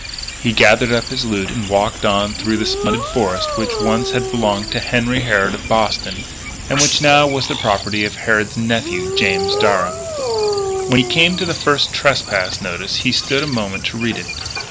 He gathered up his loot and walked on through the splendid forest which once had belonged to Henry Harrod of Boston, and which now was the property of Harrod's nephew, James Darragh. When he came to the first trespass notice he stood a moment to read it.